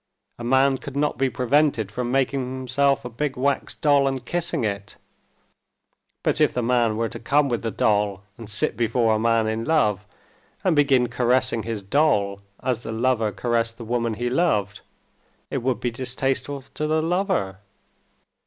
A man could not be prevented from making himself a big wax doll, and kissing it. But if the man were to come with the doll and sit before a man in love, and begin caressing his doll as the lover caressed the woman he loved, it would be distasteful to the lover.